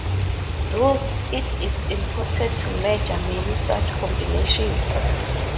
Thus, it is important to measure many such combinations.